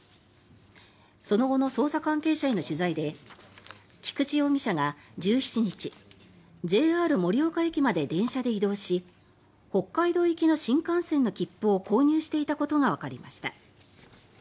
その後の捜査関係者への取材で菊池容疑者が１７日ＪＲ盛岡駅まで電車で移動し北海道行きの新幹線の切符を購入していたことがわかりました。